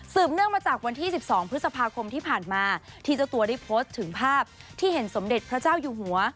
เนื่องมาจากวันที่๑๒พฤษภาคมที่ผ่านมาที่เจ้าตัวได้โพสต์ถึงภาพที่เห็นสมเด็จพระเจ้าอยู่หัว